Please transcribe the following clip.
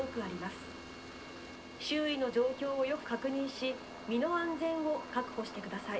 周囲の状況をよく確認し身の安全を確保してください」。